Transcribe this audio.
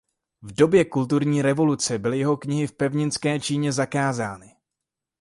V době kulturní revoluce byly jeho knihy v pevninské Číně zakázány.